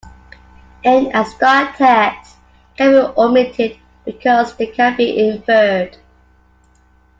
End- and start- tags can be omitted, because they can be inferred.